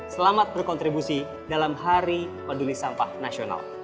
selamat berkontribusi dalam hari peduli sampah nasional